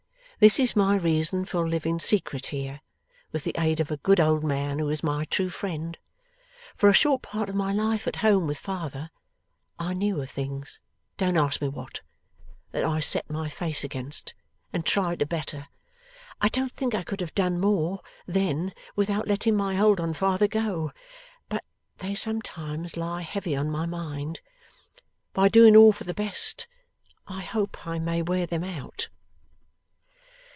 This is my reason for living secret here, with the aid of a good old man who is my true friend. For a short part of my life at home with father, I knew of things don't ask me what that I set my face against, and tried to better. I don't think I could have done more, then, without letting my hold on father go; but they sometimes lie heavy on my mind. By doing all for the best, I hope I may wear them out.